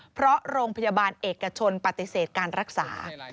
เพราะโรงพยาบาลเอกชนปฏิเสธการรักษา